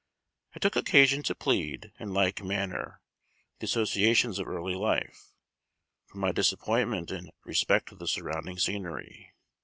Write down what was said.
I took occasion to plead, in like manner, the associations of early life, for my disappointment in respect to the surrounding scenery.